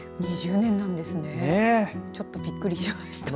２０年なんですねちょっとびっくりしました。